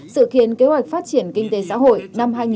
sự khiến kế hoạch phát triển kinh tế xã hội năm hai nghìn hai mươi